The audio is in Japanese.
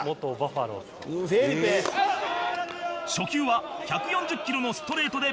「フェリペ」初球は１４０キロのストレートでボール